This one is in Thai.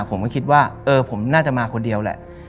ผมก็คิดว่าเออผมน่าจะมาคนเดียวแหละ